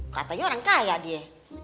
katanya orang kaya dia